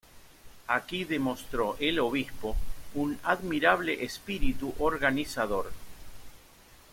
Aquí demostró el obispo un admirable espíritu organizador.